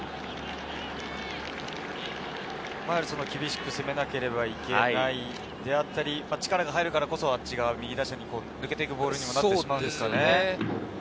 厳しく攻めなければいけないであったり、力が入るからこそ右打者に抜けていくボールにもなっていくんですかね。